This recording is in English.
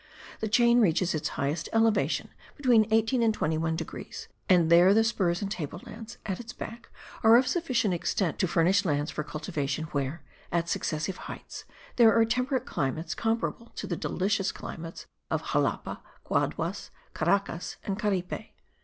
The chain reaches its highest elevation between 18 and 21 degrees; and there the spurs and table lands at its back are of sufficient extent to furnish lands for cultivation where, at successive heights, there are temperate climates comparable to the delicious climates of Xalapa, Guaduas, Caracas and Caripe.